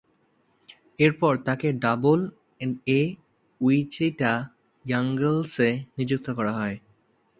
এরপর তাকে ডাবল-এ উইচিটা র্যাঙ্গলার্সে নিযুক্ত করা হয়।